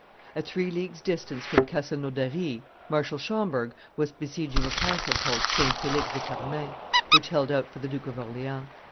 At three leagues' distance from Castelnaudary, Marshal Schomberg was besieging a castle called St. Felix de Carmain, which held out for the Duke of Orleans.